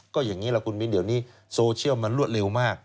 ก็อย่างนี้แหละคุณมิ้นเดี๋ยวนี้โซเชียลมันรวดเร็วมาก